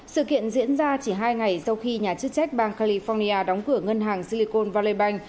sự kiện diễn ra chỉ hai ngày sau khi nhà chức trách bang california đóng cửa ngân hàng silicon valley bank